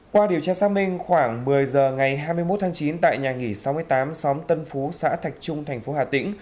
qua điều tra xác minh khoảng một mươi h ngày hai mươi một tháng chín tại nhà nghỉ sáu mươi tám xóm tân phú xã thạch trung thành phố hà tĩnh